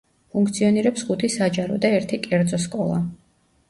ფუნქციონირებს ხუთი საჯარო და ერთი კერძო სკოლა.